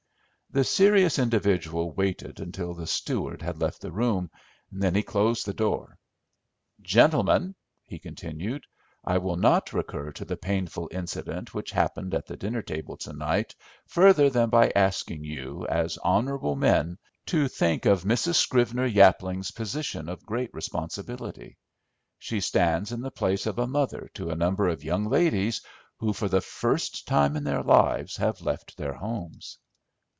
The serious individual waited until the steward had left the room, then he closed the door. "Gentlemen," he continued, "I will not recur to the painful incident which happened at the dinner table to night further than by asking you, as honourable men, to think of Mrs. Scrivener Yapling's position of great responsibility. She stands in the place of a mother to a number of young ladies who, for the first time in their lives, have left their homes."